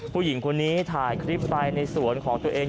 ผู้หญิงคนนี้ถ่ายคลิปไปในสวนของตัวเอง